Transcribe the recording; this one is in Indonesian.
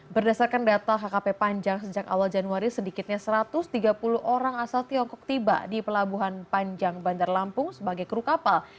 berdasarkan data hkp panjang sejak awal januari sedikitnya satu ratus tiga puluh orang asal tiongkok tiba di pelabuhan panjang bandar lampung sebagai kru kapal